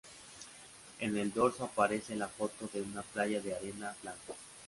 En el dorso aparece la foto de una playa de arena blanca.